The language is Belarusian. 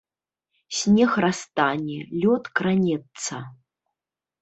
Снег растане, лёд кранецца.